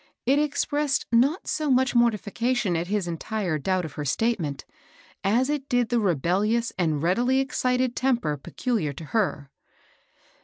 It expressed not so much mortification at his entire doubt of her statement, as it did the rebellious and readily excited temper peculiar to her.